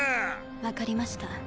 分かりました。